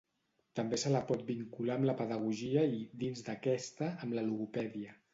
També se la pot vincular amb la pedagogia i, dins d'aquesta, amb la logopèdia.